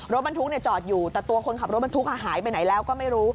รถบรรทุกจอดอยู่แต่ตัวคนขับรถบรรทุกหายไปไหนแล้วก็ไม่รู้